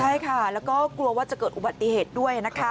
ใช่ค่ะแล้วก็กลัวว่าจะเกิดอุบัติเหตุด้วยนะคะ